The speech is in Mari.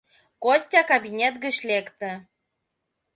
Костя кабинет гыч лекте.